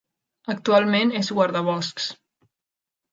Actualment és guardaboscs.